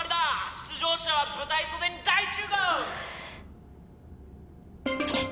出場者は舞台袖に大集合！